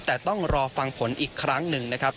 แต่ต้องรอฟังผลอีกครั้งหนึ่งนะครับ